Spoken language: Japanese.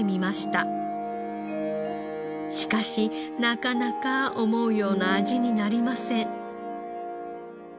しかしなかなか思うような味になりません。